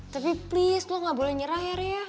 tapi please lo gak boleh nyerah ya reh ya